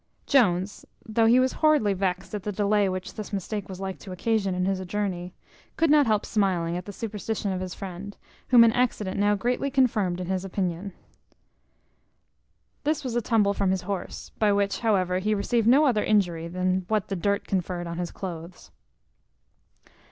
Jones, though he was horridly vexed at the delay which this mistake was likely to occasion in his journey, could not help smiling at the superstition of his friend, whom an accident now greatly confirmed in his opinion. This was a tumble from his horse; by which, however, he received no other injury than what the dirt conferred on his cloaths.